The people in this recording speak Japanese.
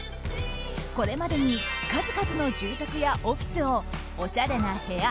これまでに数々の住宅やオフィスをお洒落な部屋